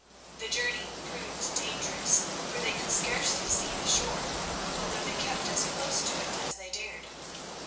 The journey proved dangerous, for they could scarcely see the shore, although they kept as close to it as they dared.